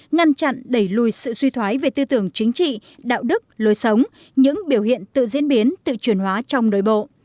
ngăn chặn đẩy lùi sự suy thoái về tư tưởng chính trị đạo đức lối sống những biểu hiện tự diễn biến tự truyền hóa trong nội bộ